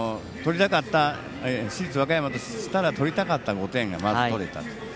市立和歌山としては取りたかった５点がまず取れたと。